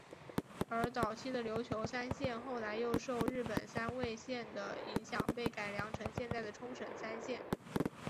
而早期的琉球三线后来又受日本三味线的影响被改良成现在的冲绳三线。